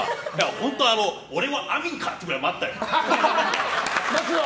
本当、俺もあみんかっていうくらい待ったよ。